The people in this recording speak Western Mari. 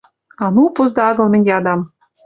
А ну, позда агыл, мӹнь ядам: